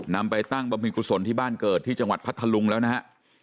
ไปตั้งบำเพ็ญกุศลที่บ้านเกิดที่จังหวัดพัทธลุงแล้วนะฮะ